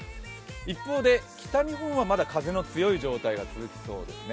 一方で北日本はまだ風の強い状態が続きそうですね。